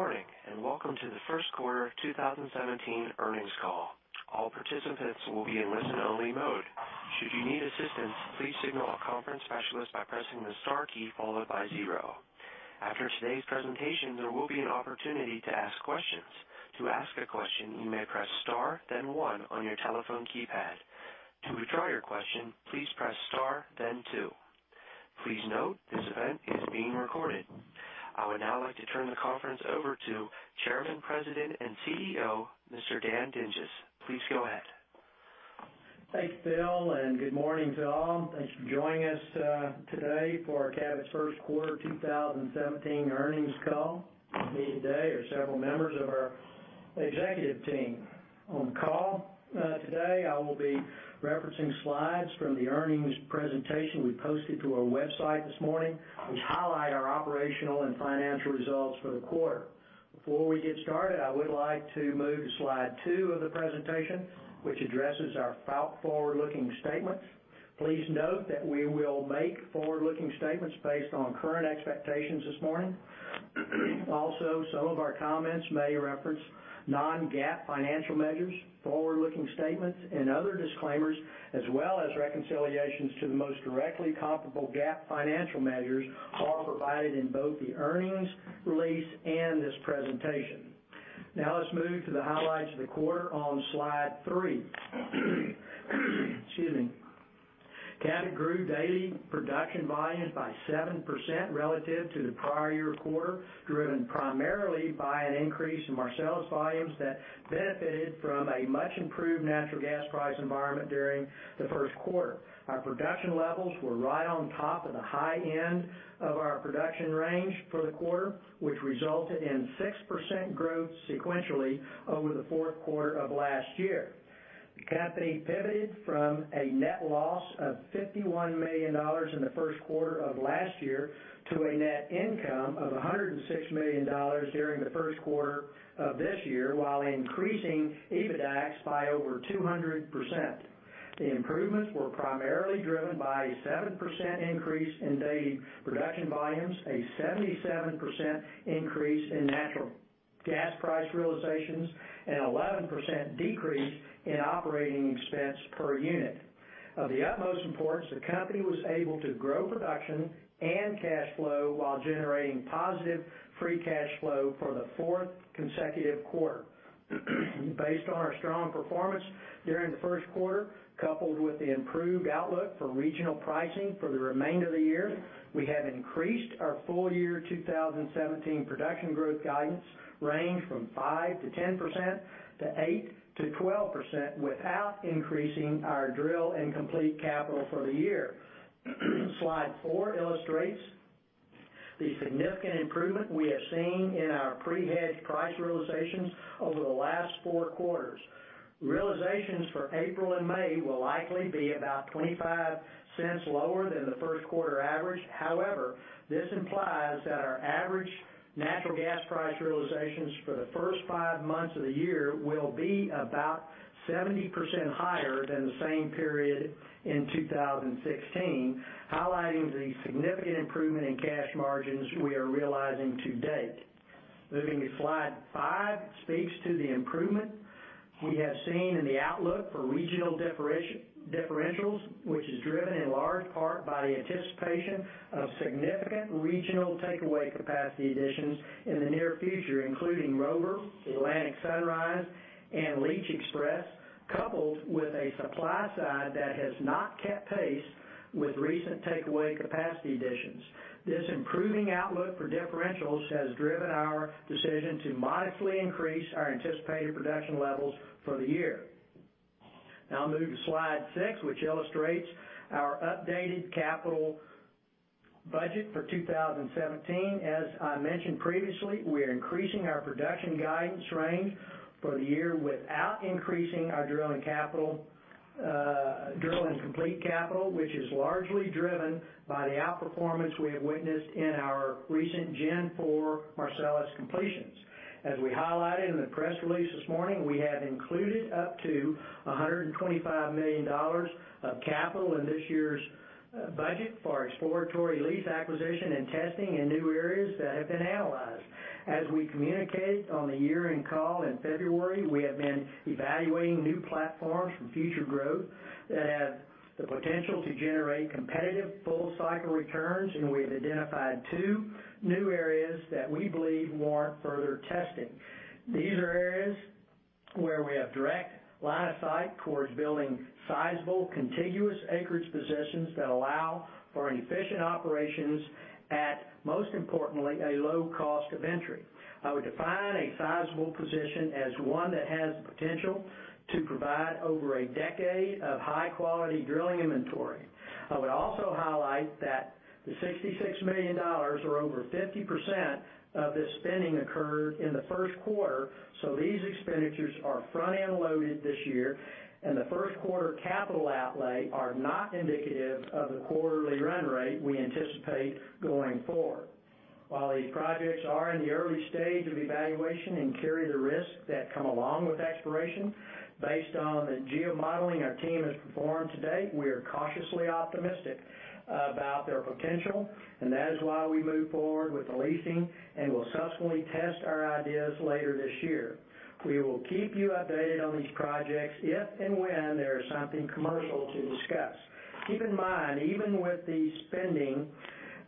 Good morning, welcome to the first quarter 2017 earnings call. All participants will be in listen-only mode. Should you need assistance, please signal a conference specialist by pressing the star key followed by zero. After today's presentation, there will be an opportunity to ask questions. To ask a question, you may press star then one on your telephone keypad. To withdraw your question, please press star then two. Please note this event is being recorded. I would now like to turn the conference over to Chairman, President, and CEO, Mr. Dan Dinges. Please go ahead. Thanks, Phil, good morning to all. Thanks for joining us today for Cabot's first quarter 2017 earnings call. With me today are several members of our executive team on call today. I will be referencing slides from the earnings presentation we posted to our website this morning, which highlight our operational and financial results for the quarter. Before we get started, I would like to move to slide two of the presentation, which addresses our forward-looking statements. Please note that we will make forward-looking statements based on current expectations this morning. Also, some of our comments may reference non-GAAP financial measures, forward-looking statements and other disclaimers, as well as reconciliations to the most directly comparable GAAP financial measures are provided in both the earnings release and this presentation. Now let's move to the highlights of the quarter on slide three. Excuse me. Cabot grew daily production volumes by 7% relative to the prior year quarter, driven primarily by an increase in Marcellus volumes that benefited from a much improved natural gas price environment during the first quarter. Our production levels were right on top of the high end of our production range for the quarter, which resulted in 6% growth sequentially over the fourth quarter of last year. The company pivoted from a net loss of $51 million in the first quarter of last year to a net income of $106 million during the first quarter of this year, while increasing EBITDAX by over 200%. The improvements were primarily driven by a 7% increase in daily production volumes, a 77% increase in natural gas price realizations, an 11% decrease in operating expense per unit. Of the utmost importance, the company was able to grow production and cash flow while generating positive free cash flow for the fourth consecutive quarter. Based on our strong performance during the first quarter, coupled with the improved outlook for regional pricing for the remainder of the year, we have increased our full year 2017 production growth guidance range from 5%-10%, to 8%-12% without increasing our drill and complete capital for the year. Slide four illustrates the significant improvement we have seen in our pre-hedged price realizations over the last four quarters. Realizations for April and May will likely be about $0.25 lower than the first quarter average. This implies that our average natural gas price realizations for the first five months of the year will be about 70% higher than the same period in 2016, highlighting the significant improvement in cash margins we are realizing to date. Moving to slide five speaks to the improvement we have seen in the outlook for regional differentials, which is driven in large part by the anticipation of significant regional takeaway capacity additions in the near future, including Rover, Atlantic Sunrise, and Leach XPress, coupled with a supply side that has not kept pace with recent takeaway capacity additions. This improving outlook for differentials has driven our decision to modestly increase our anticipated production levels for the year. I'll move to slide six, which illustrates our updated capital budget for 2017. As I mentioned previously, we are increasing our production guidance range for the year without increasing our drill and complete capital, which is largely driven by the outperformance we have witnessed in our recent Gen 4 Marcellus completions. As we highlighted in the press release this morning, we have included up to $125 million of capital in this year's budget for exploratory lease acquisition and testing in new areas that have been analyzed. As we communicated on the year-end call in February, we have been evaluating new platforms for future growth that have the potential to generate competitive full cycle returns, and we have identified two new areas that we believe warrant further testing. These are areas where we have direct line of sight towards building sizable contiguous acreage positions that allow for efficient operations at, most importantly, a low cost of entry. I would define a sizable position as one that has the potential to provide over a decade of high-quality drilling inventory. I would also highlight that the $66 million or over 50% of this spending occurred in the first quarter, these expenditures are front-end loaded this year, the first quarter capital outlay are not indicative of the quarterly run rate we anticipate going forward. While these projects are in the early stage of evaluation and carry the risks that come along with exploration, based on the geomodeling our team has performed to date, we are cautiously optimistic about their potential, that is why we move forward with the leasing and will subsequently test our ideas later this year. We will keep you updated on these projects if and when there is something commercial to discuss. Keep in mind, even with the spending,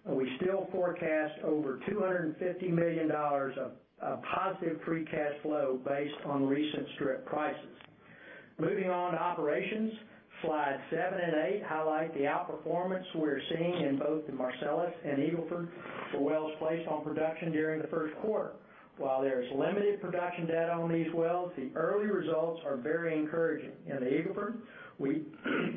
we still forecast over $250 million of positive free cash flow based on recent strip prices. Moving on to operations. Slide seven and eight highlight the outperformance we're seeing in both the Marcellus and Eagle Ford for wells placed on production during the first quarter. While there is limited production data on these wells, the early results are very encouraging. In the Eagle Ford, we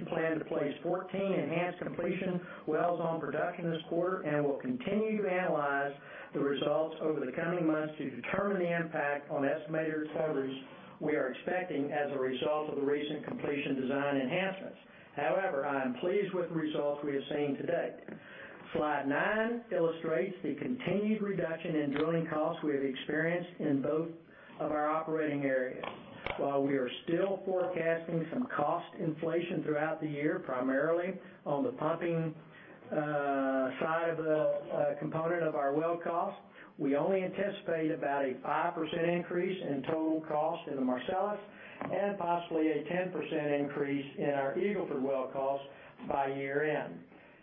plan to place 14 enhanced completion wells on production this quarter, will continue to analyze the results over the coming months to determine the impact on estimated recoveries we are expecting as a result of the recent completion design enhancements. I am pleased with the results we are seeing to date. Slide nine illustrates the continued reduction in drilling costs we have experienced in both of our operating areas. While we are still forecasting some cost inflation throughout the year, primarily on the pumping side of the component of our well costs, we only anticipate about a 5% increase in total cost in the Marcellus, and possibly a 10% increase in our Eagle Ford well costs by year-end.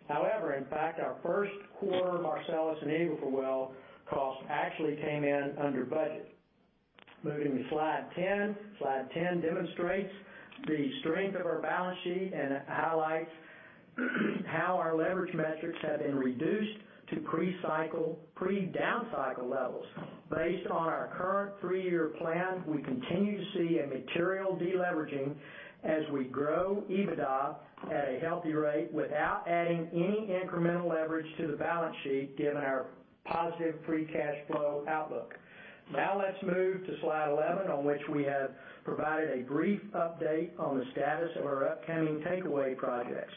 However, in fact, our first quarter Marcellus and Eagle Ford well costs actually came in under budget. Moving to slide 10. Slide 10 demonstrates the strength of our balance sheet and highlights how our leverage metrics have been reduced to pre-down cycle levels. Based on our current three-year plan, we continue to see a material de-leveraging as we grow EBITDA at a healthy rate without adding any incremental leverage to the balance sheet, given our positive free cash flow outlook. Let's move to slide 11, on which we have provided a brief update on the status of our upcoming takeaway projects.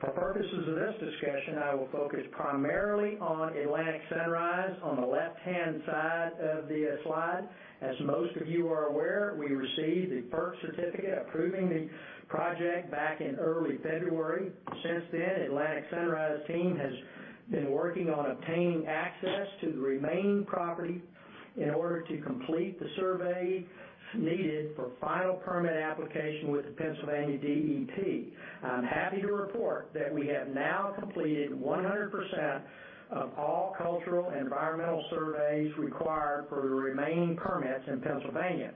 For purposes of this discussion, I will focus primarily on Atlantic Sunrise on the left-hand side of the slide. As most of you are aware, we received the FERC certificate approving the project back in early February. Since then, Atlantic Sunrise team has been working on obtaining access to the remaining property in order to complete the surveys needed for final permit application with the Pennsylvania DEP. I'm happy to report that we have now completed 100% of all cultural and environmental surveys required for the remaining permits in Pennsylvania.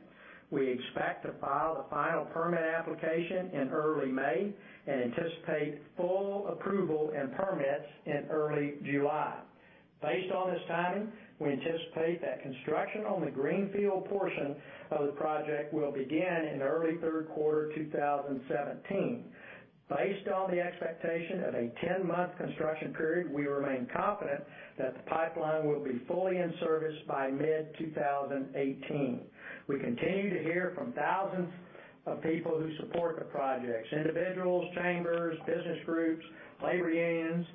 We expect to file the final permit application in early May and anticipate full approval and permits in early July. Based on this timing, we anticipate that construction on the greenfield portion of the project will begin in early third quarter 2017. Based on the expectation of a 10-month construction period, we remain confident that the pipeline will be fully in service by mid-2018. We continue to hear from thousands of people who support the projects, individuals, chambers, business groups, labor unions,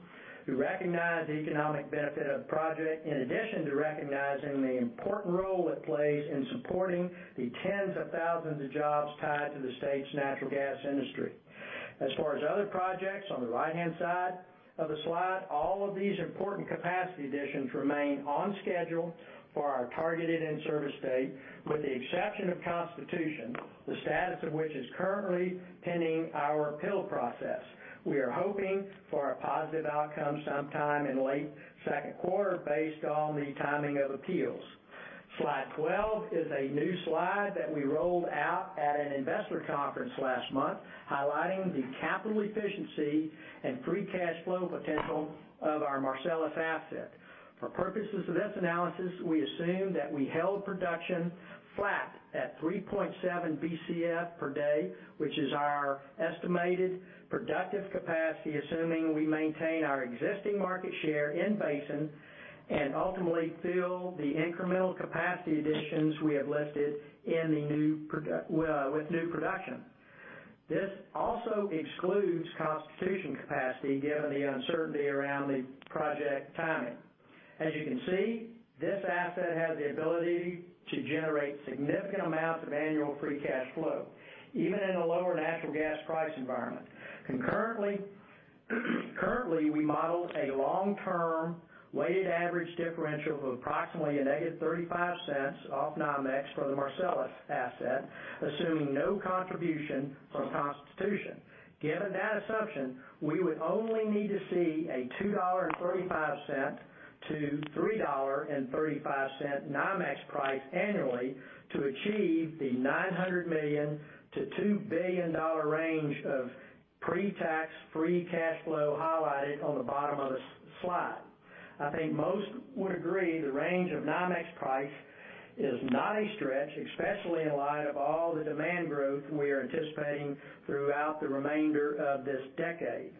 who recognize the economic benefit of the project, in addition to recognizing the important role it plays in supporting the tens of thousands of jobs tied to the state's natural gas industry. As far as other projects on the right-hand side of the slide, all of these important capacity additions remain on schedule for our targeted in-service date, with the exception of Constitution, the status of which is currently pending our appeal process. We are hoping for a positive outcome sometime in late second quarter based on the timing of appeals. Slide 12 is a new slide that we rolled out at an investor conference last month, highlighting the capital efficiency and free cash flow potential of our Marcellus asset. For purposes of this analysis, we assume that we held production flat at 3.7 Bcf per day, which is our estimated productive capacity, assuming we maintain our existing market share in basin and ultimately fill the incremental capacity additions we have listed with new production. This also excludes Constitution capacity given the uncertainty around the project timing. As you can see, this asset has the ability to generate significant amounts of annual free cash flow, even in a lower natural gas price environment. Currently, we model a long-term weighted average differential of approximately -$0.35 off NYMEX for the Marcellus asset, assuming no contribution from Constitution Pipeline. Given that assumption, we would only need to see a $2.35-$3.35 NYMEX price annually to achieve the $900 million-$2 billion range of pre-tax free cash flow highlighted on the bottom of the slide. I think most would agree the range of NYMEX price is not a stretch, especially in light of all the demand growth we are anticipating throughout the remainder of this decade.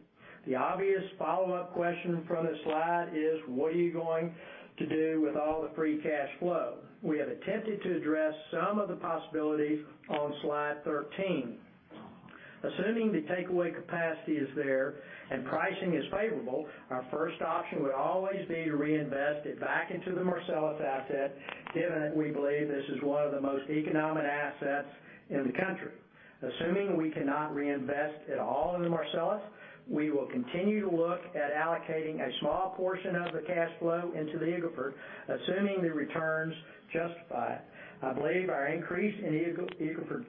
The obvious follow-up question from the slide is what are you going to do with all the free cash flow? We have attempted to address some of the possibilities on slide 13. Assuming the takeaway capacity is there and pricing is favorable, our first option would always be to reinvest it back into the Marcellus asset, given that we believe this is one of the most economic assets in the country. Assuming we cannot reinvest at all in the Marcellus, we will continue to look at allocating a small portion of the cash flow into the Eagle Ford, assuming the returns justify it. I believe our increase in Eagle Ford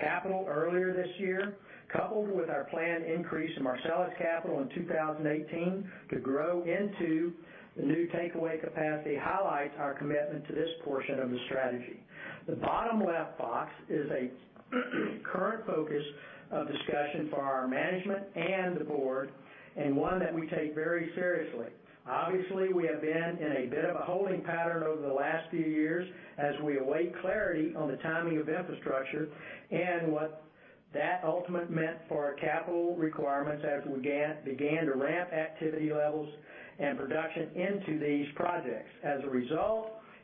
Capital earlier this year, coupled with our planned increase in Marcellus Capital in 2018 to grow into the new takeaway capacity highlights our commitment to this portion of the strategy. The bottom left box is a current focus of discussion for our management and the board, and one that we take very seriously. Obviously, we have been in a bit of a holding pattern over the last few years as we await clarity on the timing of infrastructure and what that ultimate meant for our capital requirements after we began to ramp activity levels and production into these projects.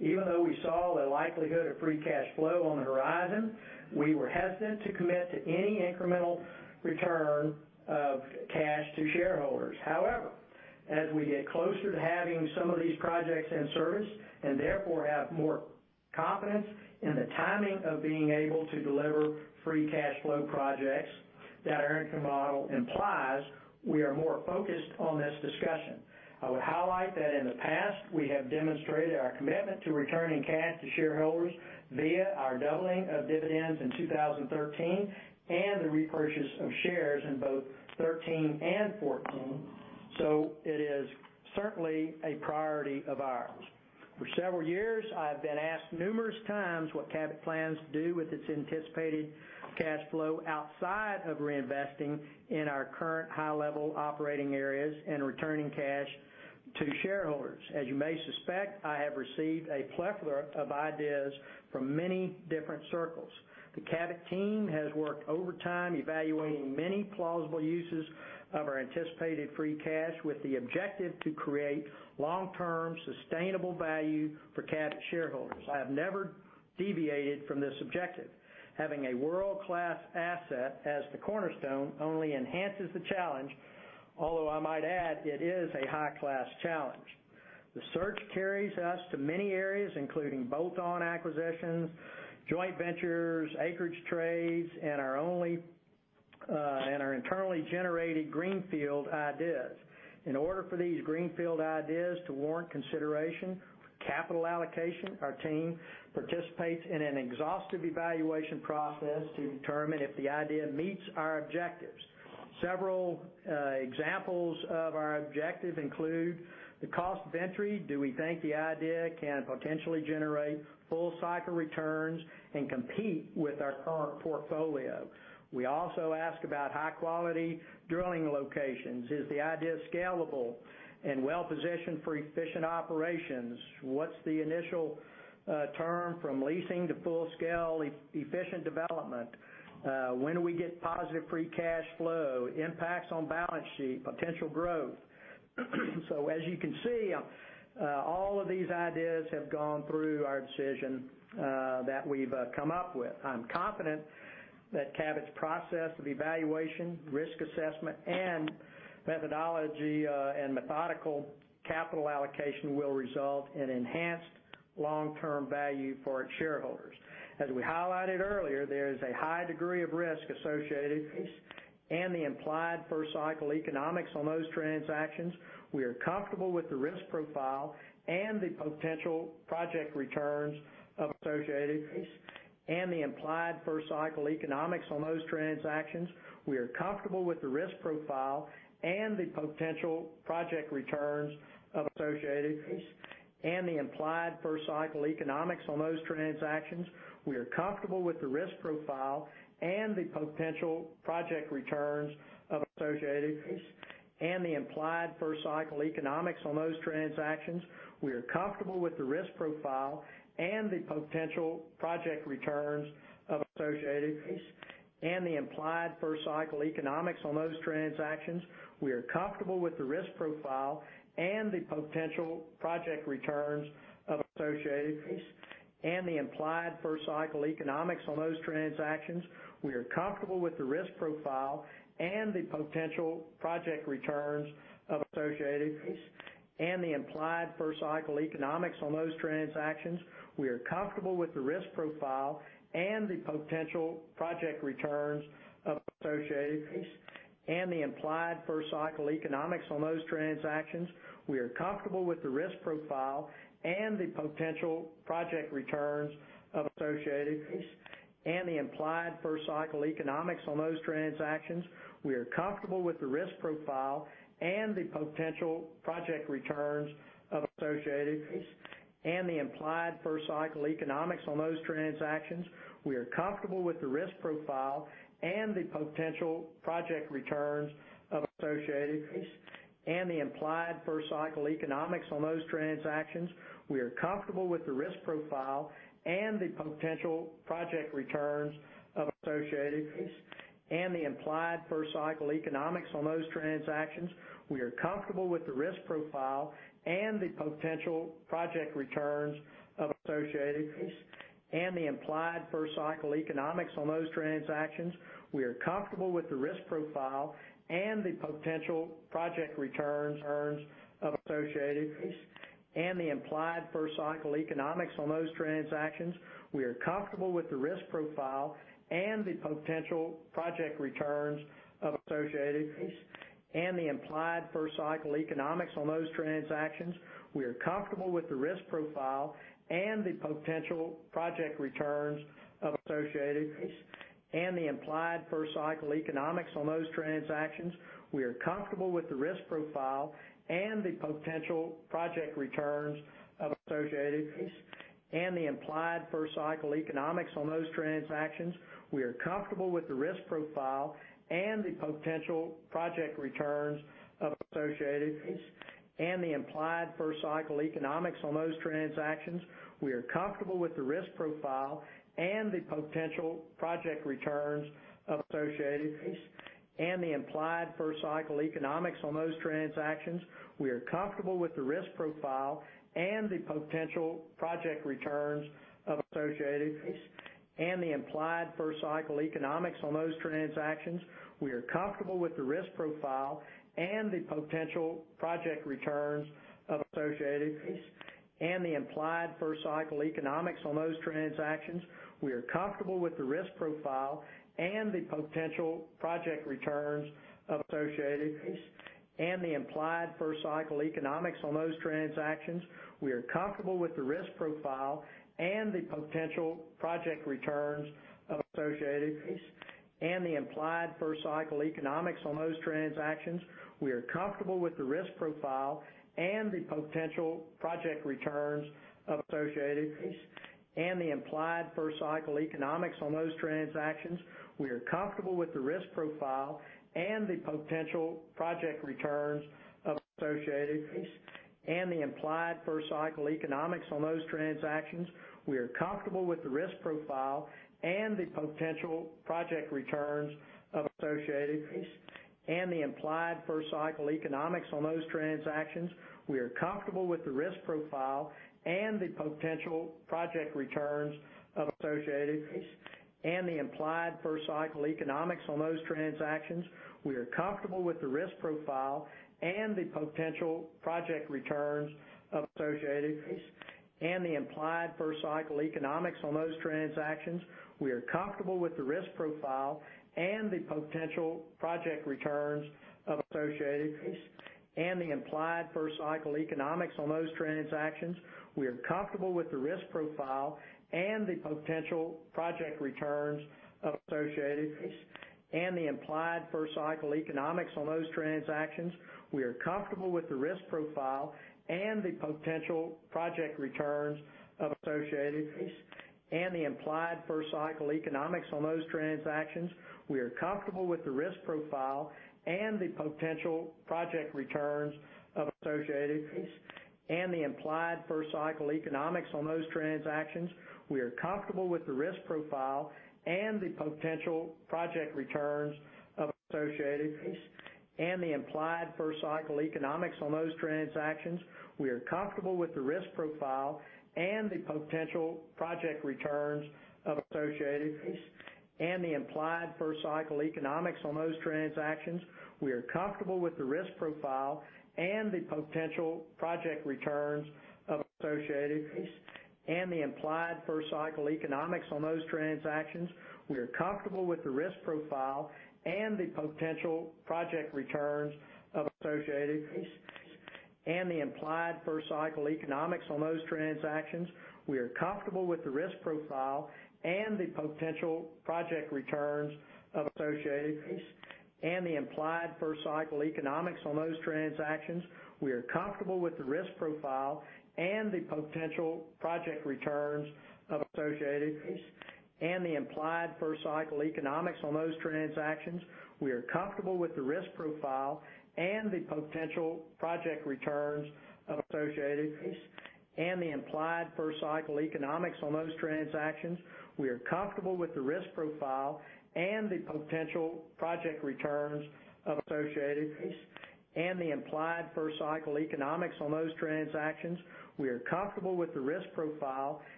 Even though we saw the likelihood of free cash flow on the horizon, we were hesitant to commit to any incremental return of cash to shareholders. As we get closer to having some of these projects in service, and therefore have more confidence in the timing of being able to deliver free cash flow projects that our income model implies, we are more focused on this discussion. I would highlight that in the past, we have demonstrated our commitment to returning cash to shareholders via our doubling of dividends in 2013 and the repurchase of shares in both 2013 and 2014. It is certainly a priority of ours. For several years, I've been asked numerous times what Cabot plans to do with its anticipated cash flow outside of reinvesting in our current high level operating areas and returning cash to shareholders. As you may suspect, I have received a plethora of ideas from many different circles. The Cabot team has worked overtime evaluating many plausible uses of our anticipated free cash with the objective to create long term sustainable value for Cabot shareholders. I have never deviated from this objective. Having a world class asset as the cornerstone only enhances the challenge, although I might add, it is a high class challenge. The search carries us to many areas including bolt-on acquisitions, joint ventures, acreage trades, and our internally generated greenfield ideas. In order for these greenfield ideas to warrant consideration for capital allocation, our team participates in an exhaustive evaluation process to determine if the idea meets our objectives. Several examples of our objective include the cost of entry. Do we think the idea can potentially generate full cycle returns and compete with our current portfolio? We also ask about high quality drilling locations. Is the idea scalable and well positioned for efficient operations? What's the initial turn from leasing to full scale efficient development? When do we get positive free cash flow impacts on balance sheet potential growth? As you can see, all of these ideas have gone through our decision that we've come up with. I'm confident that Cabot's process of evaluation, risk assessment, and methodology and methodical capital allocation will result in enhanced long-term value for its shareholders. As we highlighted earlier, there is a high degree of risk associated with these and the implied first cycle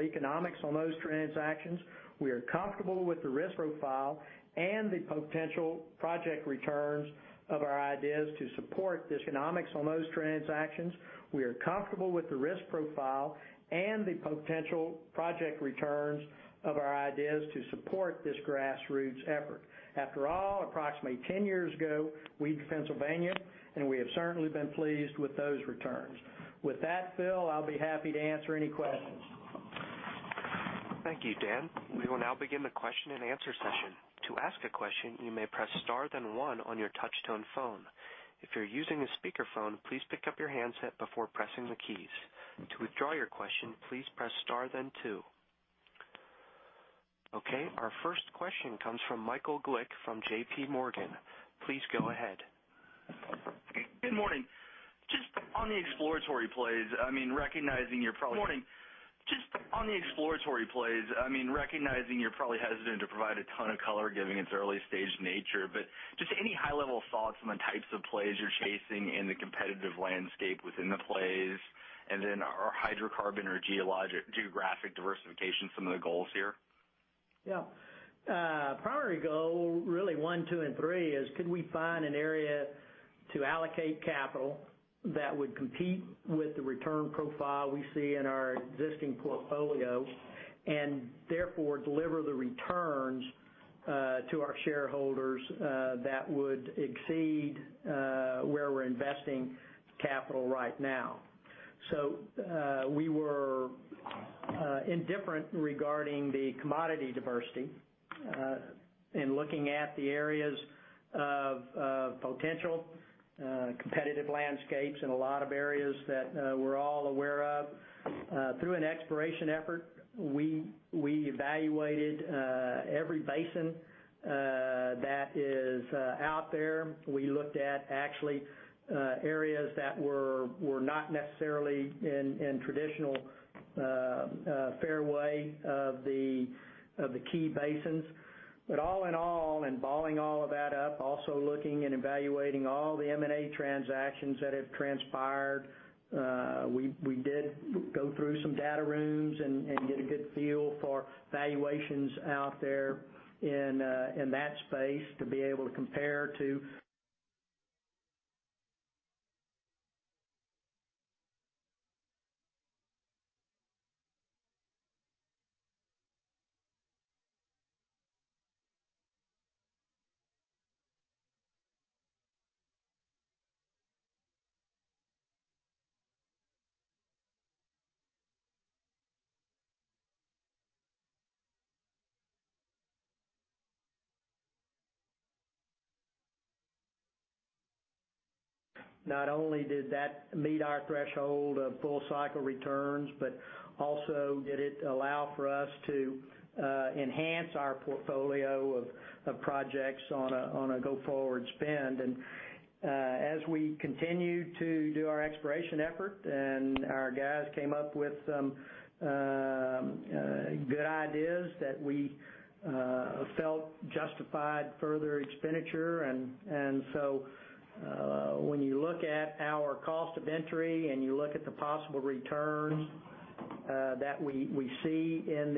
economics on those transactions. We are comfortable with the risk profile and the potential project returns of our ideas to support this grassroots effort. After all, approximately 10 years ago, we entered Pennsylvania, and we have certainly been pleased with those returns. With that, Phil, I'll be happy to answer any questions. Thank you, Dan. We will now begin the question and answer session. To ask a question, you may press star then one on your touch-tone phone. If you're using a speakerphone, please pick up your handset before pressing the keys. To withdraw your question, please press star then two. Okay. Our first question comes from Michael Glick from JPMorgan. Please go ahead. Good morning. Just on the exploratory plays, recognizing you're probably hesitant to provide a ton of color giving its early-stage nature, but just any high-level thoughts on the types of plays you're chasing in the competitive landscape within the plays, are hydrocarbon or geographic diversification some of the goals here? Yeah. Primary goal really one, two, and three is could we find an area to allocate capital that would compete with the return profile we see in our existing portfolio, and therefore deliver the returns, to our shareholders that would exceed where we're investing capital right now. We were indifferent regarding the commodity diversity, in looking at the areas of potential competitive landscapes in a lot of areas that we're all aware of. Through an exploration effort, we evaluated every basin that is out there. We looked at actually areas that were not necessarily in traditional fairway of the key basins. All in all, and balling all of that up, also looking and evaluating all the M&A transactions that have transpired. We did go through some data rooms and get a good feel for valuations out there in that space to be able to compare to. Not only did that meet our threshold of full cycle returns, but also did it allow for us to enhance our portfolio of projects on a go-forward spend. As we continued to do our exploration effort, and our guys came up with some good ideas that we felt justified further expenditure. When you look at our cost of entry and you look at the possible returns that we see in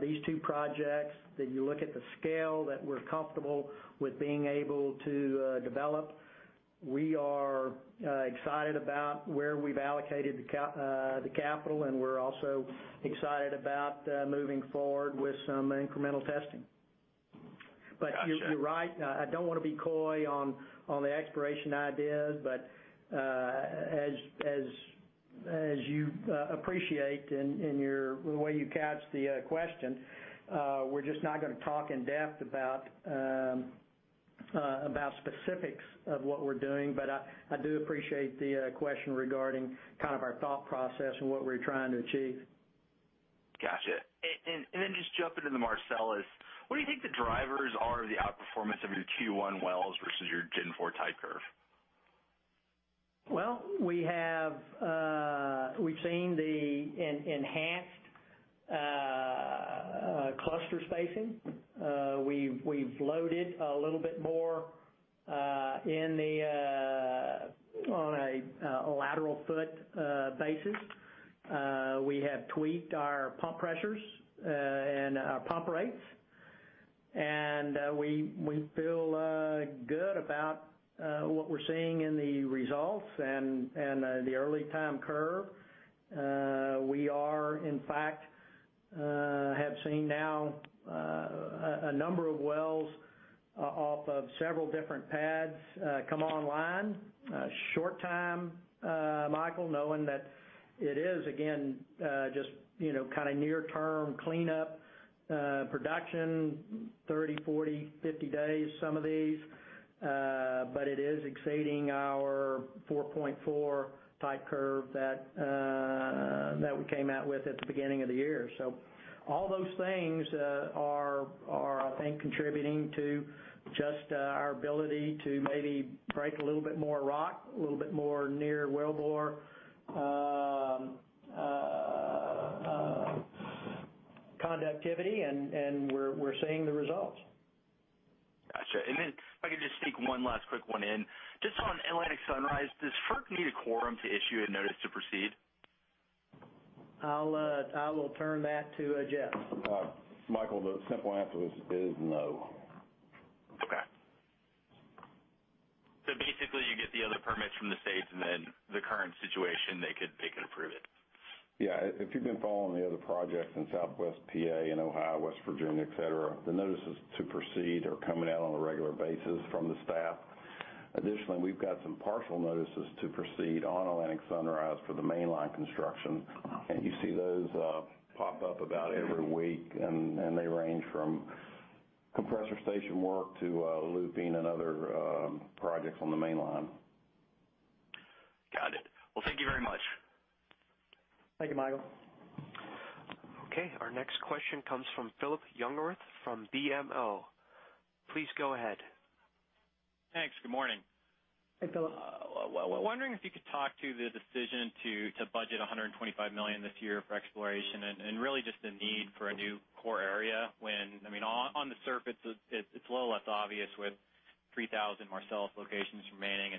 these two projects, you look at the scale that we're comfortable with being able to develop. We are excited about where we've allocated the capital, and we're also excited about moving forward with some incremental testing. Gotcha. You're right. I don't wanna be coy on the exploration idea, but as you appreciate in the way you couch the question, we're just not gonna talk in depth about specifics of what we're doing. I do appreciate the question regarding kind of our thought process and what we're trying to achieve. Gotcha. Then just jumping to the Marcellus, what do you think the drivers are of the outperformance of your Q1 wells versus your Gen 4 type curve? We've seen the enhanced cluster spacing. We've loaded a little bit more on a lateral foot basis. We have tweaked our pump pressures, and our pump rates. We feel good about what we're seeing in the results and the early time curve. We are in fact, have seen now a number of wells off of several different pads come online. Short time, Michael, knowing that it is again, just near term cleanup production, 30, 40, 50 days, some of these. It is exceeding our 4.4 type curve that we came out with at the beginning of the year. All those things are, I think, contributing to just our ability to maybe break a little bit more rock, a little bit more near well bore conductivity. We're seeing the results. Got you. If I could just sneak one last quick one in. Just on Atlantic Sunrise, does FERC need a quorum to issue a notice to proceed? I will turn that to Jeff. Michael, the simple answer is no. Okay. Basically you get the other permits from the states, then the current situation, they could approve it. Yeah. If you've been following the other projects in Southwest P.A., in Ohio, West Virginia, et cetera, the notices to proceed are coming out on a regular basis from the staff. Additionally, we've got some partial notices to proceed on Atlantic Sunrise for the mainline construction. Okay. You see those pop up about every week, they range from compressor station work to looping and other projects on the mainline. Got it. Well, thank you very much. Thank you, Michael. Okay, our next question comes from Phillip Jungwirth from BMO. Please go ahead. Thanks. Good morning. Hi, Phillip. Wondering if you could talk to the decision to budget $125 million this year for exploration, really just the need for a new core area when, on the surface, it's a little less obvious with 3,000 Marcellus locations remaining.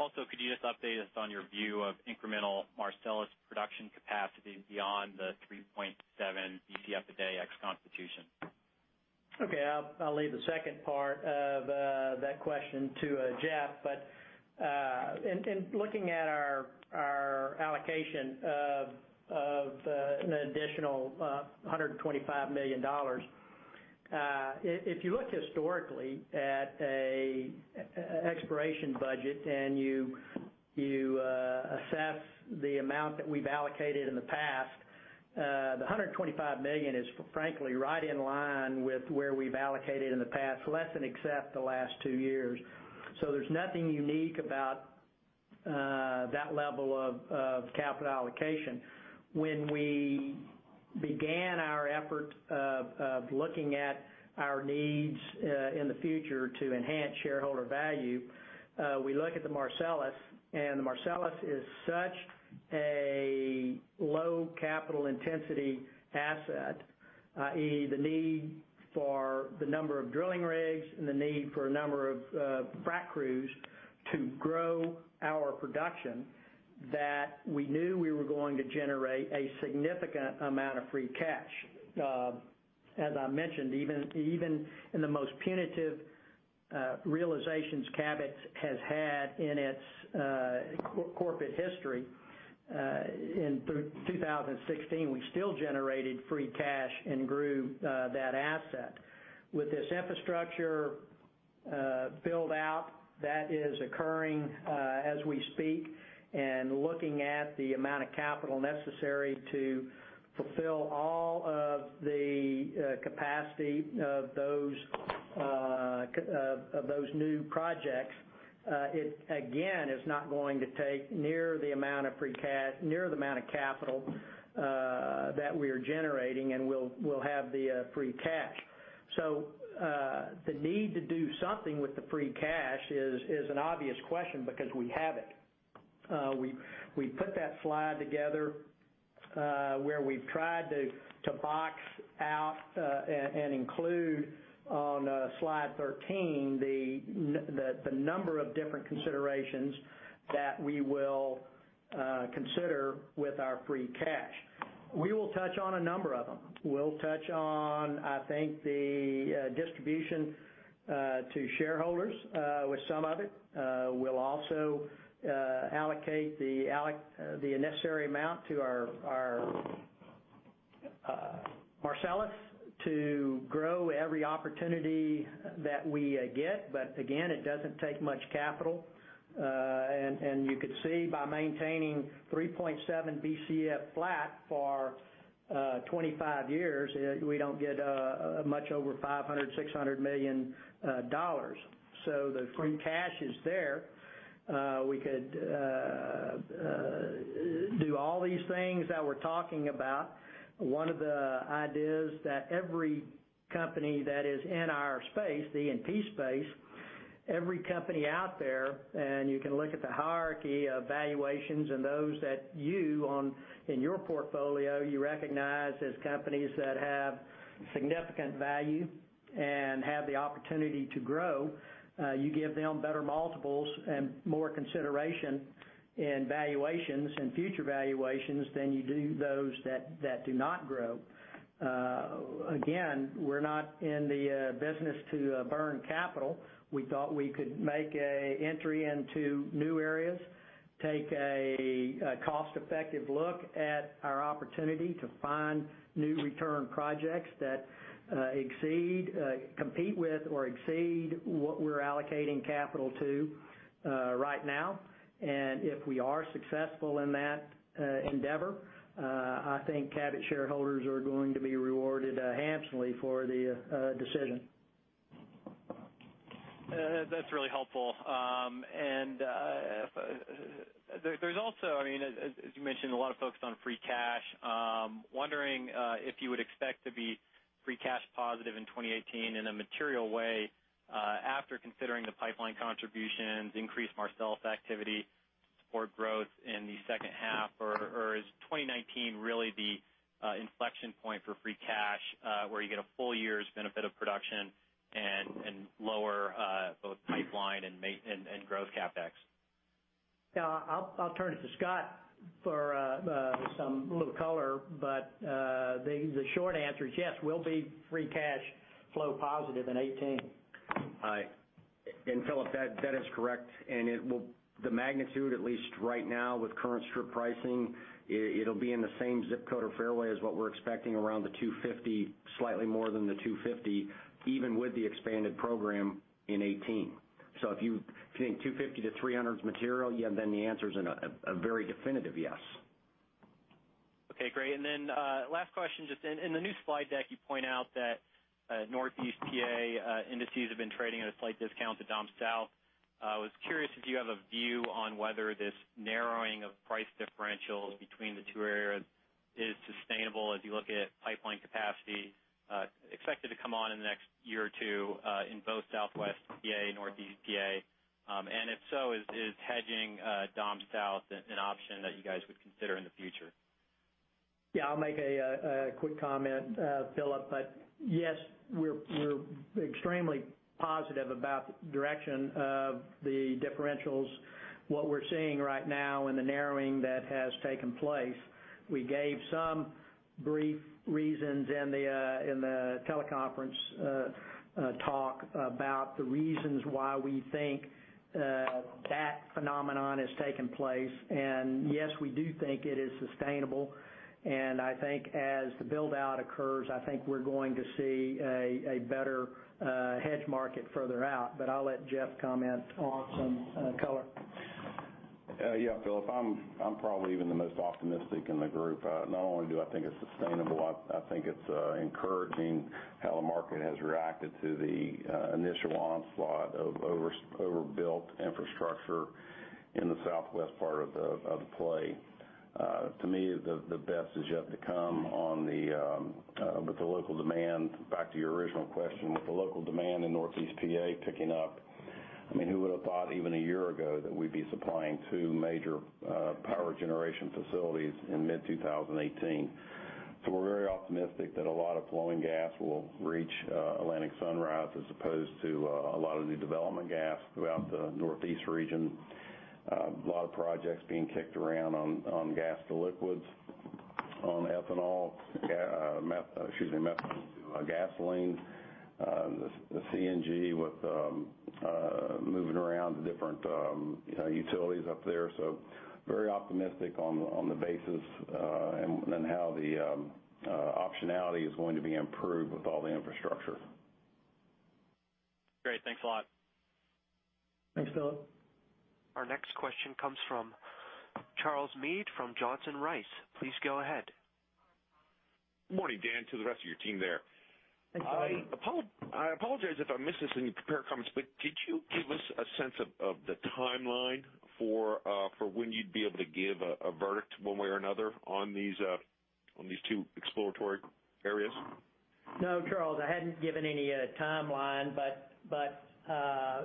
Also, could you just update us on your view of incremental Marcellus production capacity beyond the 3.7 Bcf a day ex Constitution? Okay. I'll leave the second part of that question to Jeff. In looking at our allocation of an additional $125 million, if you look historically at an exploration budget and you assess the amount that we've allocated in the past, the $125 million is frankly right in line with where we've allocated in the past, less than except the last two years. There's nothing unique about that level of capital allocation. When we began our effort of looking at our needs in the future to enhance shareholder value, we look at the Marcellus, the Marcellus is such a low capital intensity asset. I.e., the need for the number of drilling rigs and the need for a number of frac crews to grow our production, that we knew we were going to generate a significant amount of free cash. As I mentioned, even in the most punitive realizations Cabot has had in its corporate history, in 2016, we still generated free cash and grew that asset. With this infrastructure build-out that is occurring as we speak, looking at the amount of capital necessary to fulfill all of the capacity of those new projects, it again is not going to take near the amount of capital that we are generating, and we'll have the free cash. The need to do something with the free cash is an obvious question because we have it. We put that slide together, where we've tried to box out and include on slide 13, the number of different considerations that we will consider with our free cash. We will touch on a number of them. We'll touch on, I think, the distribution to shareholders with some of it. We'll also allocate the necessary amount to our Marcellus to grow every opportunity that we get, again, it doesn't take much capital. You could see by maintaining 3.7 Bcf flat for 25 years, we don't get much over $500 million, $600 million. The free cash is there. We could do all these things that we're talking about. One of the ideas that every company that is in our space, the E&P space, every company out there, you can look at the hierarchy of valuations and those that you, in your portfolio, you recognize as companies that have significant value and have the opportunity to grow. You give them better multiples and more consideration in valuations and future valuations than you do those that do not grow. Again, we're not in the business to burn capital. We thought we could make an entry into new areas, take a cost-effective look at our opportunity to find new return projects that compete with or exceed what we're allocating capital to right now. If we are successful in that endeavor, I think Cabot shareholders are going to be rewarded handsomely for the decision. That's really helpful. There's also, as you mentioned, a lot of focus on free cash. Wondering if you would expect to be free cash positive in 2018 in a material way after considering the pipeline contributions, increased Marcellus activity or growth in the second half? Is 2019 really the inflection point for free cash where you get a full year's benefit of production and lower both pipeline and growth CapEx? I'll turn it to Scott for some little color, but the short answer is yes, we'll be free cash flow positive in 2018. Hi. Phillip, that is correct, and the magnitude, at least right now with current strip pricing, it'll be in the same zip code or fairway as what we're expecting around $250 million, slightly more than $250 million, even with the expanded program in 2018. If you think $250 million-$300 million is material, then the answer's a very definitive yes. Okay, great. Last question, just in the new slide deck, you point out that Northeast P.A. indices have been trading at a slight discount to Dominion South. I was curious if you have a view on whether this narrowing of price differentials between the two areas is sustainable as you look at pipeline capacity expected to come on in the next year or two in both Southwest P.A. and Northeast P.A. If so, is hedging Dominion South an option that you guys would consider in the future? Yeah, I'll make a quick comment, Phillip. Yes, we're extremely positive about the direction of the differentials, what we're seeing right now, and the narrowing that has taken place. We gave some brief reasons in the teleconference talk about the reasons why we think that phenomenon has taken place. Yes, we do think it is sustainable, and I think as the build-out occurs, I think we're going to see a better hedge market further out. I'll let Jeff comment on some color. Yeah, Phillip, I'm probably even the most optimistic in the group. Not only do I think it's sustainable, I think it's encouraging how the market has reacted to the initial onslaught of overbuilt infrastructure in the southwest part of the play. To me, the best is yet to come with the local demand. Back to your original question, with the local demand in Northeast P.A. picking up, who would've thought even a year ago that we'd be supplying two major power generation facilities in mid-2018? We're very optimistic that a lot of flowing gas will reach Atlantic Sunrise, as opposed to a lot of the development gas throughout the northeast region. A lot of projects being kicked around on gas to liquids, on ethanol, methane to gasoline, the CNG with moving around to different utilities up there. Very optimistic on the basis, and how the optionality is going to be improved with all the infrastructure. Great. Thanks a lot. Thanks, Phillip. Our next question comes from Charles Meade from Johnson Rice. Please go ahead. Morning, Dan, to the rest of your team there. Thanks, Charles. I apologize if I missed this in your prepared comments, could you give us a sense of the timeline for when you'd be able to give a verdict one way or another on these two exploratory areas? No, Charles, I hadn't given any timeline,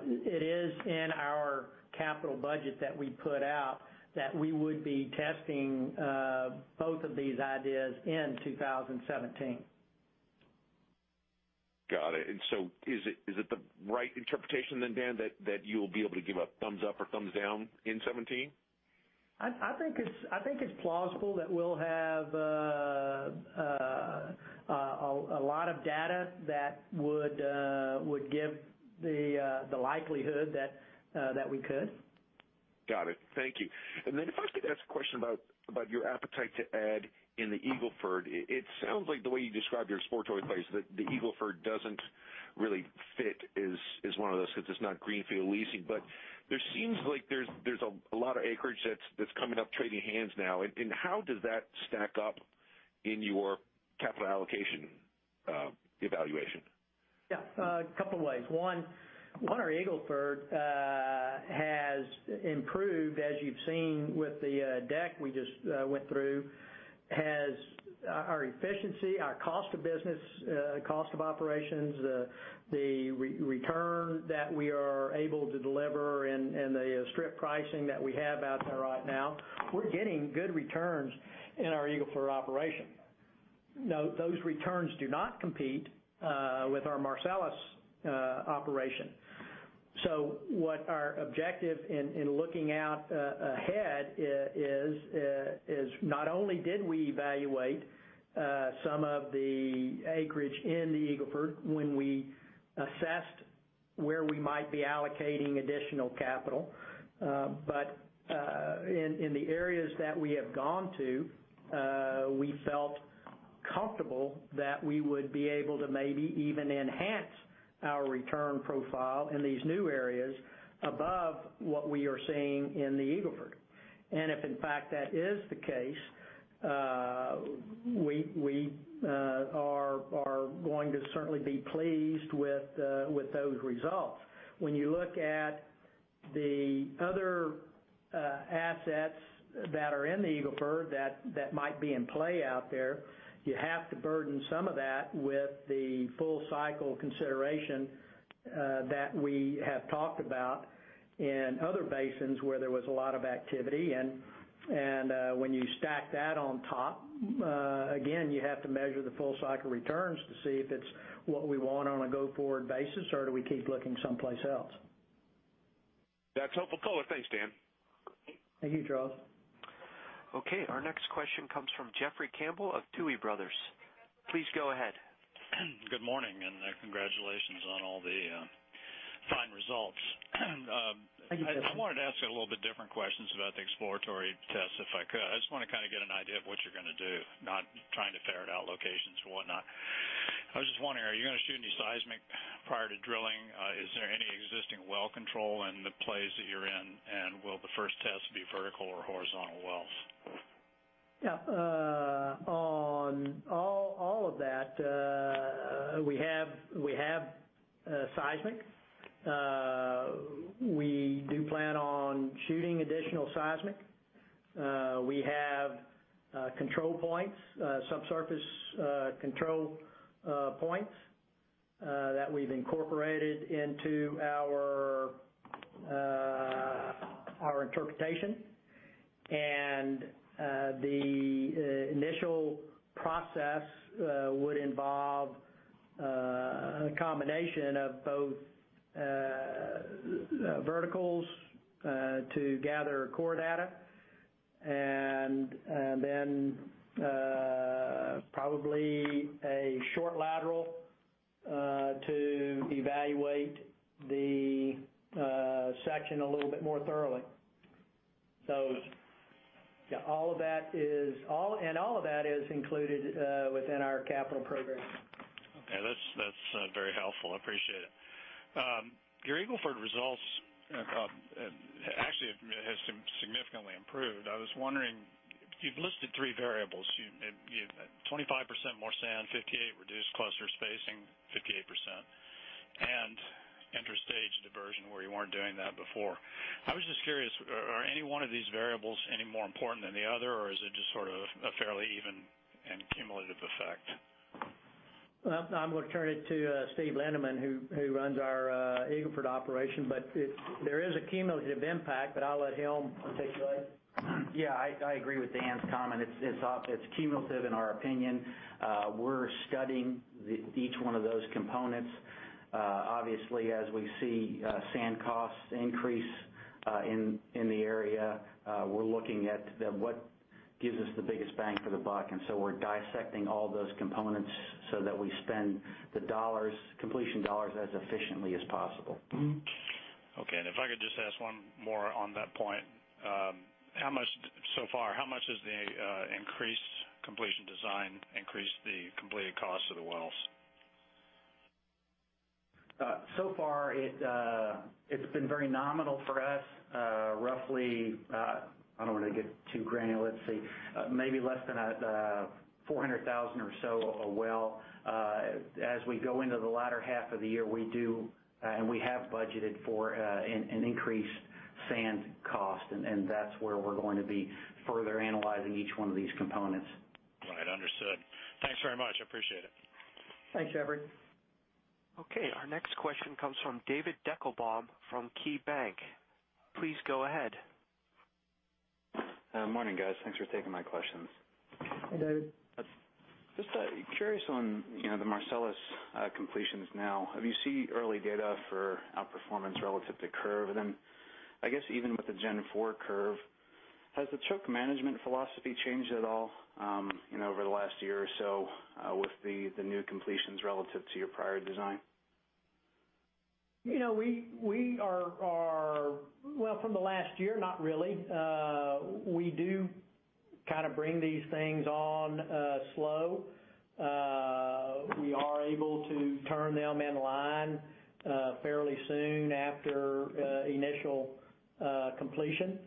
it is in our capital budget that we put out that we would be testing both of these ideas in 2017. Got it. Is it the right interpretation then, Dan, that you'll be able to give a thumbs up or thumbs down in 2017? I think it's plausible that we'll have a lot of data that would give the likelihood that we could. Got it. Thank you. If I could ask a question about your appetite to add in the Eagle Ford. It sounds like the way you describe your exploratory plays, that the Eagle Ford doesn't really fit as one of those, because it's not greenfield leasing. There seems like there's a lot of acreage that's coming up, trading hands now. How does that stack up in your capital allocation evaluation? Yeah. A couple ways. One, our Eagle Ford Improved, as you've seen with the deck we just went through, has our efficiency, our cost of business, cost of operations, the return that we are able to deliver, and the strip pricing that we have out there right now. We're getting good returns in our Eagle Ford operation. Now, those returns do not compete with our Marcellus operation. What our objective in looking out ahead is not only did we evaluate some of the acreage in the Eagle Ford when we assessed where we might be allocating additional capital. In the areas that we have gone to, we felt comfortable that we would be able to maybe even enhance our return profile in these new areas above what we are seeing in the Eagle Ford. If in fact that is the case, we are going to certainly be pleased with those results. When you look at the other assets that are in the Eagle Ford that might be in play out there, you have to burden some of that with the full cycle consideration that we have talked about in other basins where there was a lot of activity. When you stack that on top, again, you have to measure the full cycle returns to see if it's what we want on a go-forward basis, or do we keep looking someplace else? That's helpful color. Thanks, Dan. Thank you, Charles. Our next question comes from Jeffrey Campbell of Tuohy Brothers. Please go ahead. Good morning, congratulations on all the fine results. Thank you. I wanted to ask a little bit different questions about the exploratory tests, if I could. I just want to get an idea of what you're going to do, not trying to ferret out locations and whatnot. I was just wondering, are you going to shoot any seismic prior to drilling? Is there any existing well control in the plays that you're in, and will the first test be vertical or horizontal wells? Yeah. On all of that, we have seismic. We do plan on shooting additional seismic. We have control points, subsurface control points, that we've incorporated into our interpretation. The initial process would involve a combination of both verticals to gather core data, then probably a short lateral to evaluate the section a little bit more thoroughly. All of that is included within our capital program. Okay. That's very helpful. I appreciate it. Your Eagle Ford results actually have significantly improved. I was wondering, you've listed three variables. You have 25% more sand, 58 reduced cluster spacing, 58%, and interstage diversion, where you weren't doing that before. I was just curious, are any one of these variables any more important than the other, or is it just sort of a fairly even and cumulative effect? I'm going to turn it to Steve Lindeman, who runs our Eagle Ford operation. There is a cumulative impact, but I'll let him articulate. Yeah, I agree with Dan's comment. It's cumulative in our opinion. We're studying each one of those components. Obviously, as we see sand costs increase in the area, we're looking at what gives us the biggest bang for the buck. We're dissecting all those components so that we spend the completion dollars as efficiently as possible. Okay, if I could just ask one more on that point. So far, how much has the increased completion design increased the completed cost of the wells? So far, it's been very nominal for us. Roughly I don't want to get too granular. Let's see, maybe less than $400,000 or so a well. As we go into the latter half of the year, we do and we have budgeted for an increased sand cost, that's where we're going to be further analyzing each one of these components. Right, understood. Thanks very much. I appreciate it. Thanks, Jeffrey. Okay, our next question comes from David Deckelbaum from KeyBank. Please go ahead. Morning, guys. Thanks for taking my questions. Hey, David. Just curious on the Marcellus completions now. Have you seen early data for outperformance relative to curve? I guess even with the Gen 4 curve, has the choke management philosophy changed at all over the last year or so with the new completions relative to your prior design? From the last year, not really. We do kind of bring these things on slow. We are able to turn them in line fairly soon after initial completion.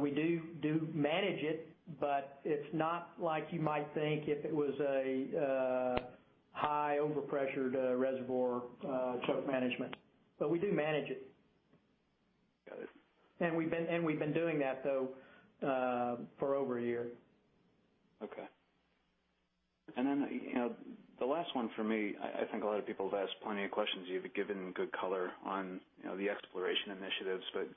We do manage it, but it's not like you might think if it was a high over-pressured reservoir choke management. We do manage it. Got it. We've been doing that, though, for over a year. Okay. The last one from me, I think a lot of people have asked plenty of questions. You've given good color on the exploration initiatives, but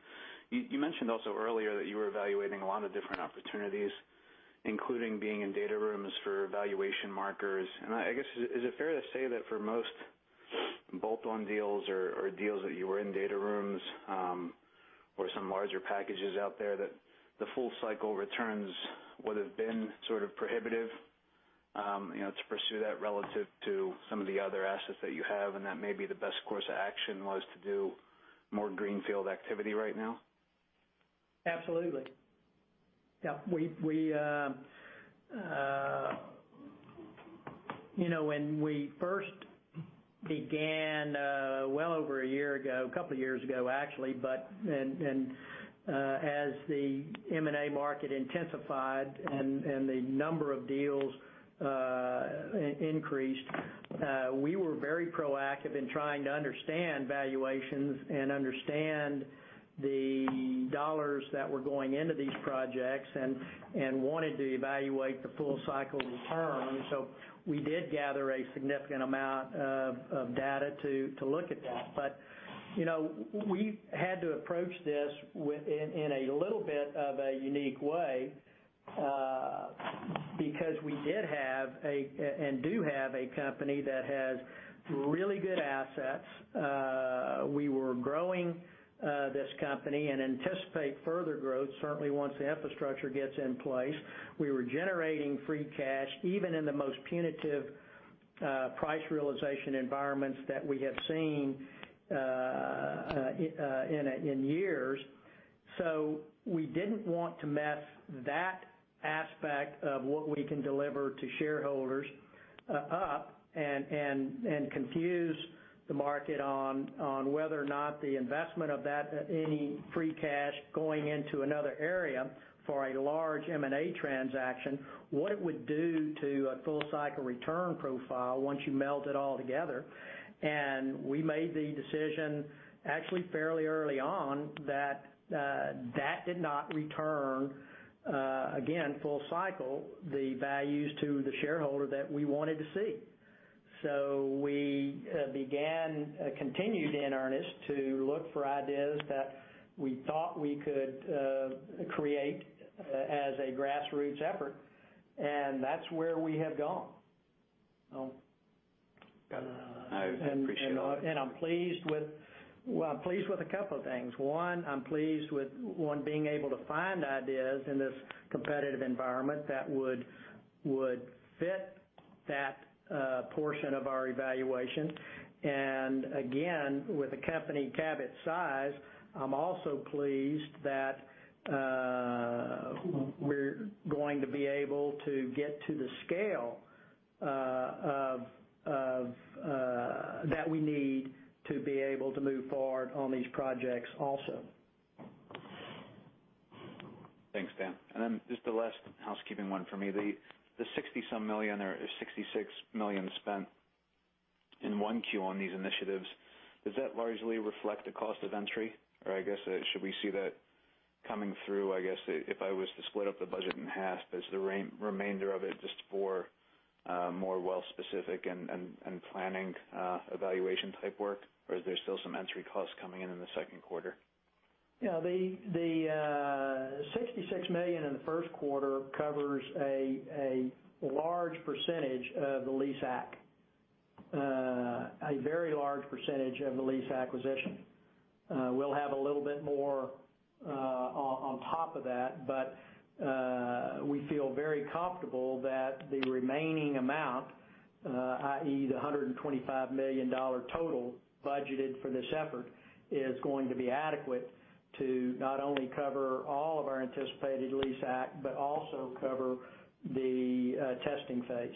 you mentioned also earlier that you were evaluating a lot of different opportunities, including being in data rooms for evaluation markers. I guess, is it fair to say that for most bolt-on deals or deals that you were in data rooms, or some larger packages out there, that the full cycle returns would've been prohibitive to pursue that relative to some of the other assets that you have, and that maybe the best course of action was to do more greenfield activity right now? Absolutely. Yeah. When we first began well over a year ago, a couple of years ago, actually, as the M&A market intensified and the number of deals increased, we were very proactive in trying to understand valuations and understand the dollars that were going into these projects, and wanted to evaluate the full cycle return. We did gather a significant amount of data to look at that. We had to approach this in a little bit of a unique way, because we did have, and do have, a company that has really good assets. We were growing this company and anticipate further growth, certainly once the infrastructure gets in place. We were generating free cash, even in the most punitive price realization environments that we have seen in years. We didn't want to mess that aspect of what we can deliver to shareholders up, and confuse the market on whether or not the investment of any free cash going into another area for a large M&A transaction, what it would do to a full cycle return profile once you meld it all together. We made the decision, actually fairly early on, that that did not return, again, full cycle, the values to the shareholder that we wanted to see. We continued in earnest to look for ideas that we thought we could create as a grassroots effort, and that's where we have gone. Got it. I appreciate all that. I'm pleased with a couple of things. One, I'm pleased with being able to find ideas in this competitive environment that would fit that portion of our evaluation. Again, with a company Cabot's size, I'm also pleased that we're going to be able to get to the scale that we need to be able to move forward on these projects also. Thanks, Dan. Then just the last housekeeping one for me. The $60-some million or $66 million spent in 1Q on these initiatives, does that largely reflect a cost of entry? I guess, should we see that coming through, I guess, if I was to split up the budget in half as the remainder of it just for more well specific and planning evaluation type work? Is there still some entry costs coming in in the second quarter? The $66 million in the first quarter covers a large percentage of the lease acquisition. A very large percentage of the lease acquisition. We'll have a little bit more on top of that, we feel very comfortable that the remaining amount, i.e., the $125 million total budgeted for this effort, is going to be adequate to not only cover all of our anticipated lease acquisition, also cover the testing phase.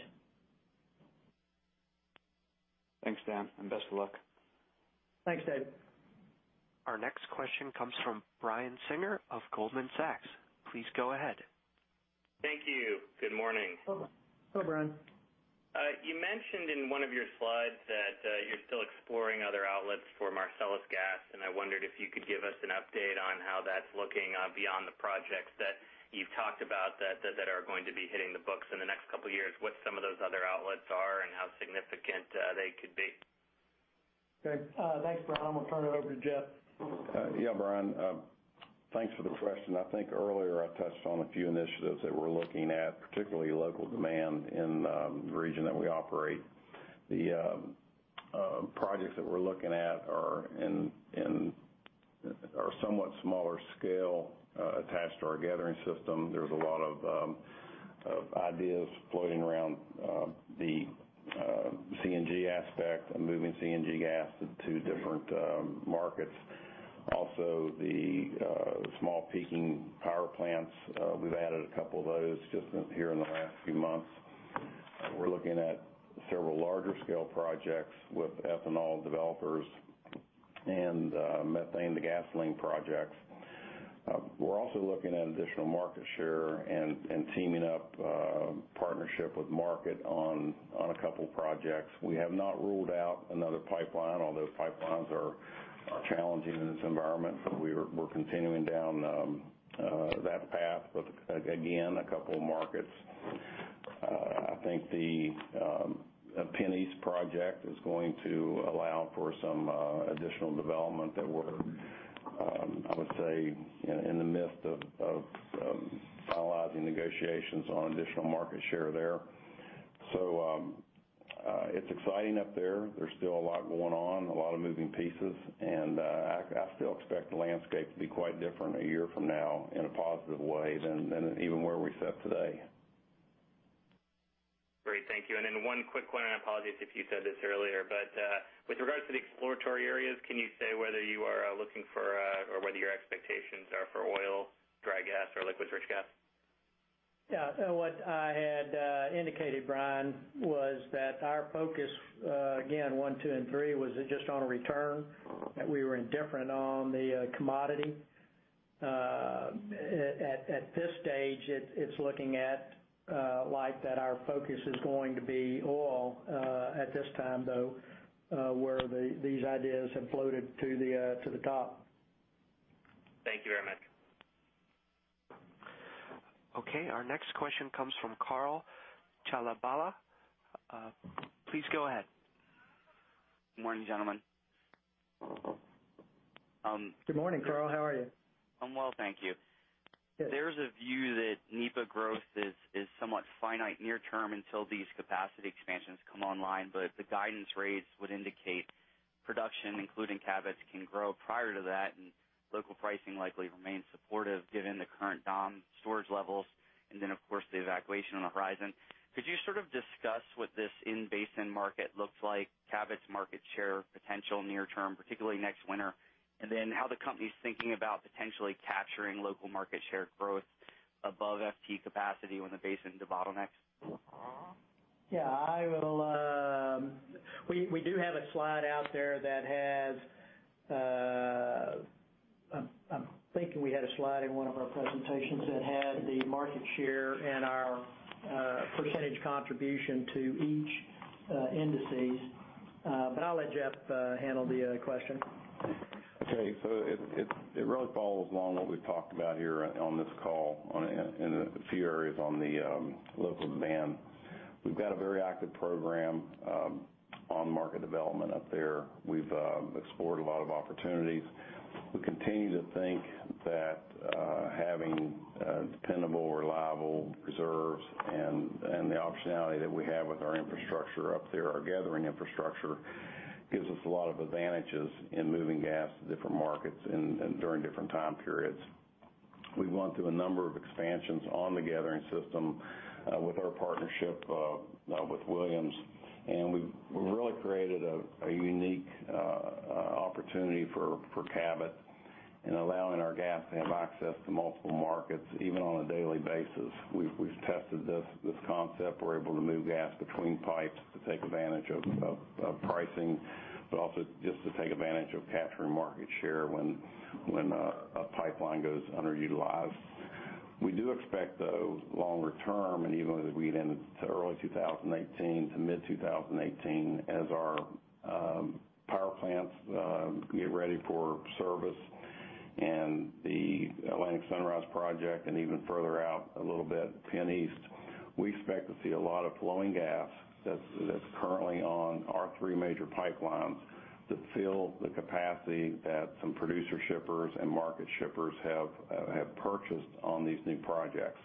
Thanks, Dan, and best of luck. Thanks, David. Our next question comes from Brian Singer of Goldman Sachs. Please go ahead. Thank you. Good morning. Hello, Brian. You mentioned in one of your slides that you're still exploring other outlets for Marcellus gas. I wondered if you could give us an update on how that's looking beyond the projects that you've talked about that are going to be hitting the books in the next couple of years, what some of those other outlets are and how significant they could be. Okay. Thanks, Brian. We'll turn it over to Jeff. Yeah, Brian. Thanks for the question. I think earlier I touched on a few initiatives that we're looking at, particularly local demand in the region that we operate. The projects that we're looking at are somewhat smaller scale, attached to our gathering system. There's a lot of ideas floating around the CNG aspect and moving CNG gas to different markets. Also, the small peaking power plants, we've added a couple of those just here in the last few months. We're looking at several larger scale projects with ethanol developers and methane to gasoline projects. We're also looking at additional market share and teaming up partnership with market on a couple projects. We have not ruled out another pipeline, although pipelines are challenging in this environment. We're continuing down that path, but again, a couple of markets. I think the PennEast Pipeline project is going to allow for some additional development that we're, I would say, in the midst of finalizing negotiations on additional market share there. It's exciting up there. There's still a lot going on, a lot of moving pieces, and I still expect the landscape to be quite different a year from now in a positive way than even where we sit today. Great. Thank you. One quick one, and I apologize if you said this earlier, but with regards to the exploratory areas, can you say whether you are looking for or whether your expectations are for oil, dry gas, or liquids rich gas? Yeah. What I had indicated, Brian, was that our focus, again, one, two, and three, was just on a return, that we were indifferent on the commodity. At this stage, it's looking like that our focus is going to be oil at this time, though where these ideas have floated to the top. Thank you very much. Our next question comes from Karl Chalabala. Please go ahead. Good morning, gentlemen. Good morning, Karl. How are you? I'm well, thank you. Good. There's a view that NEPA growth is somewhat finite near term until these capacity expansions come online, but the guidance rates would indicate production, including Cabot's, can grow prior to that, and local pricing likely remain supportive given the current Dom storage levels, and then, of course, the evacuation on the horizon. Could you sort of discuss what this in-basin market looks like, Cabot's market share potential near term, particularly next winter, and then how the company's thinking about potentially capturing local market share growth above FT capacity when the basin debottlenecks? Yeah. We do have a slide out there. I'm thinking we had a slide in one of our presentations that had the market share and our percentage contribution to each indices. I'll let Jeff handle the question. Okay, it really follows along what we've talked about here on this call in a few areas on the local basin. We've got a very active program on market development up there. We've explored a lot of opportunities. We continue to think that having dependable, reliable reserves and the optionality that we have with our infrastructure up there, our gathering infrastructure, gives us a lot of advantages in moving gas to different markets and during different time periods. We've gone through a number of expansions on the gathering system with our partnership with Williams, and we've really created a unique opportunity for Cabot in allowing our gas to have access to multiple markets, even on a daily basis. We've tested this concept. We're able to move gas between pipes to take advantage of pricing, but also just to take advantage of capturing market share when a pipeline goes underutilized. We do expect, though, longer term, and even as we get into early 2018 to mid 2018, as our power plants get ready for service and the Atlantic Sunrise project, and even further out a little bit, PennEast, we expect to see a lot of flowing gas that's currently on our three major pipelines that fill the capacity that some producer shippers and market shippers have purchased on these new projects.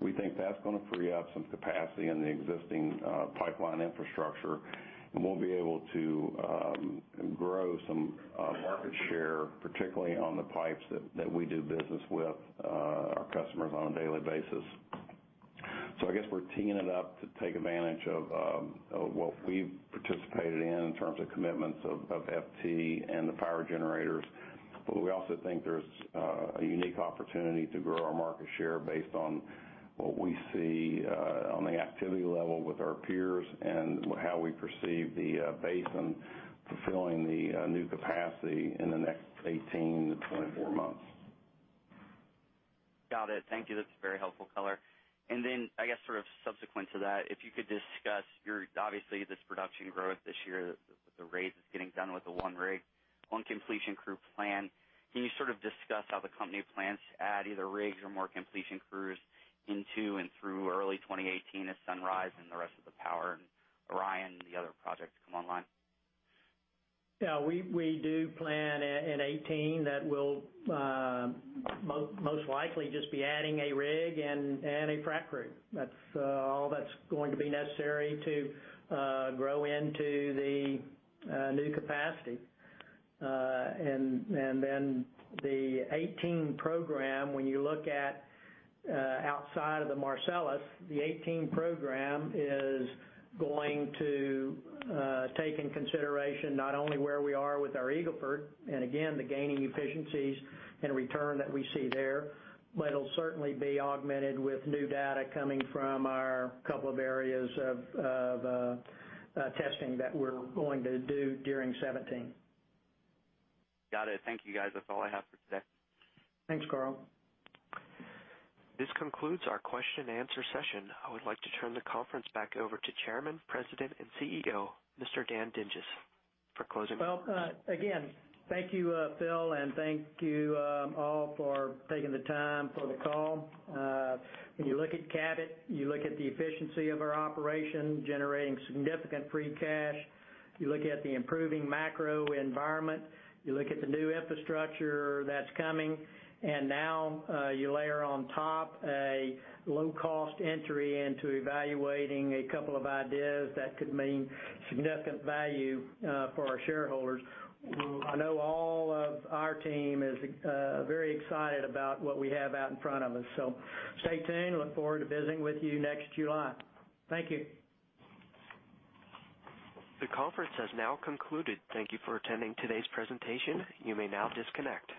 We think that's going to free up some capacity in the existing pipeline infrastructure, and we'll be able to grow some market share, particularly on the pipes that we do business with our customers on a daily basis. I guess we're teeing it up to take advantage of what we've participated in in terms of commitments of FT and the power generators. We also think there's a unique opportunity to grow our market share based on what we see on the activity level with our peers and how we perceive the basin fulfilling the new capacity in the next 18 to 24 months. Got it. Thank you. That's very helpful color. I guess sort of subsequent to that, if you could discuss this production growth this year with the rates it's getting done with the one rig, one completion crew plan. Can you sort of discuss how the company plans to add either rigs or more completion crews into and through early 2018 as Sunrise and the rest of the Power, Orion, and the other projects come online? We do plan in 2018 that we'll most likely just be adding a rig and a frac crew. That's all that's going to be necessary to grow into the new capacity. The 2018 program, when you look at outside of the Marcellus, the 2018 program is going to take in consideration not only where we are with our Eagle Ford, and again, the gaining efficiencies and return that we see there, but it'll certainly be augmented with new data coming from our couple of areas of testing that we're going to do during 2017. Got it. Thank you guys. That's all I have for today. Thanks, Karl. This concludes our question and answer session. I would like to turn the conference back over to Chairman, President, and Chief Executive Officer, Mr. Dan Dinges for closing remarks. Well, again, thank you, Phil, and thank you all for taking the time for the call. When you look at Cabot, you look at the efficiency of our operation, generating significant free cash. You look at the improving macro environment. You look at the new infrastructure that's coming. Now you layer on top a low cost entry into evaluating a couple of ideas that could mean significant value for our shareholders. I know all of our team is very excited about what we have out in front of us. Stay tuned. Look forward to visiting with you next July. Thank you. The conference has now concluded. Thank you for attending today's presentation. You may now disconnect.